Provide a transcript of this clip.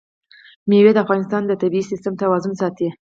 مېوې د افغانستان د طبعي سیسټم توازن ساتي.